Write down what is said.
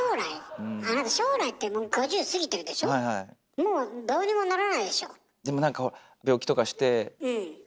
もうどうにもならないでしょ。